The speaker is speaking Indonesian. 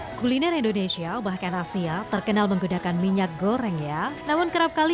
hai kuliner indonesia bahkan asia terkenal menggunakan minyak goreng ya namun kerap kali